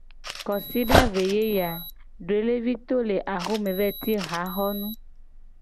Kosida ve ye ya doelevi to le axome va yi ci haxonu.